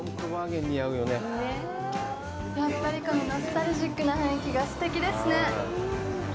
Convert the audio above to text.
やっぱりこのノスタルジックな雰囲気がすてきですね。